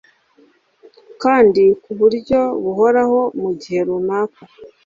kandi ku buryo buhoraho mu gihe runaka